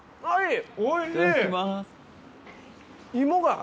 はい。